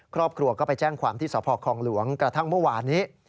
ครอบครัวก็ไปแจ้งความที่สพคลองหลวงกระทั่งเมื่อวานนี้